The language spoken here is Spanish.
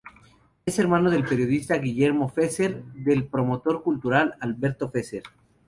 Es hermano del periodista Guillermo Fesser y del promotor cultural Alberto Fesser.